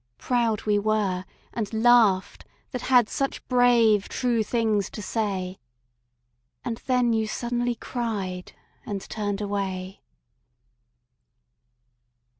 ... Proud we were, And laughed, that had such brave true things to say. And then you suddenly cried, and turned away.